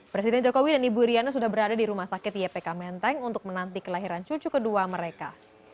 presiden jokowi dan ibu iryana sudah berada di rumah sakit ypk menteng untuk menanti kelahiran cucu kedua mereka